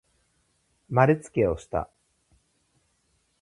まるつけをした。